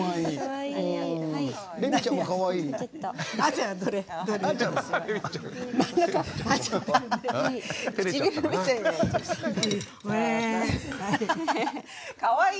レミちゃんもかわいい。